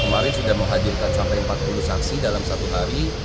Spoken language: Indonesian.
kemarin sudah menghadirkan sampai empat puluh saksi dalam satu hari